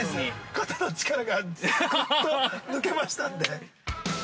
肩の力がぐっと抜けましたんで。